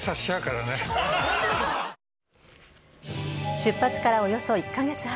出発からおよそ１カ月半。